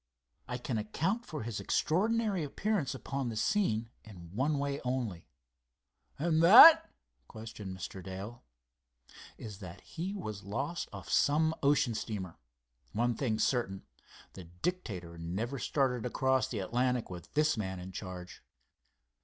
I can account for his extraordinary appearance upon the scene in one way only." "And that?" questioned Mr. Dale. "Is that he was lost off some ocean steamer. One thing certain—the Dictator never started across the Atlantic with this man in charge."